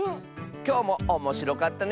きょうもおもしろかったね！